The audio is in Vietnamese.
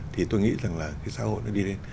thì tôi nghĩ rằng là cái xã hội nó đi lên